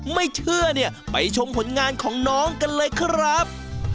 ไม่เชื่อเนี่ยไปชมผลงานของน้องกันเลยครับ